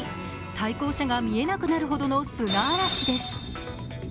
対向車が見えなくなるほどの砂嵐です。